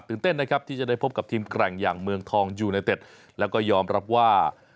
เต้นนะครับที่จะได้พบกับทีมแกร่งอย่างเมืองทองยูไนเต็ดแล้วก็ยอมรับว่า